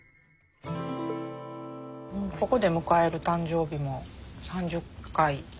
ここで迎える誕生日も３０回。